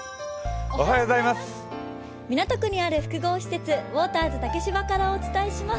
港区にある複合施設、ウォーターズ竹芝からお伝えしています。